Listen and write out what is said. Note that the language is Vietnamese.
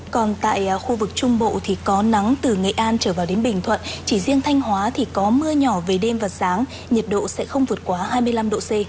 còn tại khu vực trung bộ thì có nắng từ nghệ an trở vào đến bình thuận chỉ riêng thanh hóa thì có mưa nhỏ về đêm và sáng nhiệt độ sẽ không vượt quá hai mươi năm độ c